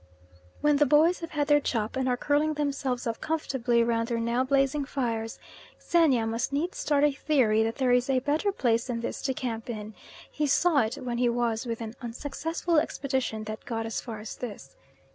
When the boys have had their chop, and are curling themselves up comfortably round their now blazing fires Xenia must needs start a theory that there is a better place than this to camp in; he saw it when he was with an unsuccessful expedition that got as far as this.